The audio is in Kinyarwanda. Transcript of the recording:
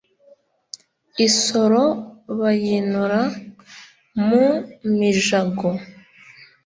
isoro bayinura mu mijago :